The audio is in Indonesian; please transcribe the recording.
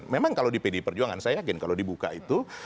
memang kalau di pdi perjuangan saya yakin kalau dibuka itu